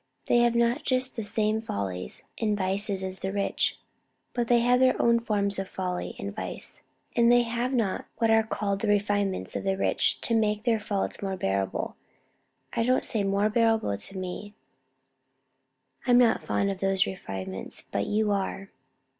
They have not just the same follies and vices as the rich, but they have their own forms of folly and vice; and they have not what are called the refinements of the rich to make their faults more bearable. I don't say more bearable to me I'm not fond of those refinements; but you are."